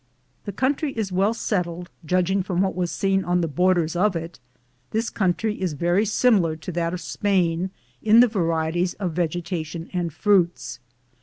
The country is well settled. Judging from what was seen on the borders of it, this country is very similar to that of Spain in the varieties of vegetation and fruits.